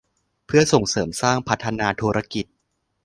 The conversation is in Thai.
เพื่อเสริมสร้างพัฒนาธุรกิจ